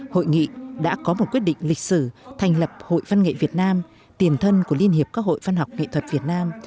hội nghị đã có một quyết định lịch sử thành lập hội văn nghệ việt nam tiền thân của liên hiệp các hội văn học nghệ thuật việt nam